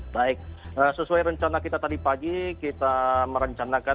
baik sesuai rencana kita tadi pagi kita merencanakan